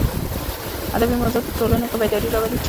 ادبي موضوعات په ټولنه کې بېداري راولي.